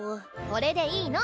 これでいいの！